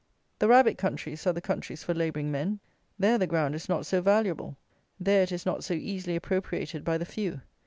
The rabbit countries are the countries for labouring men. There the ground is not so valuable. There it is not so easily appropriated by the few.